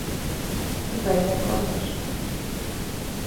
Venha conosco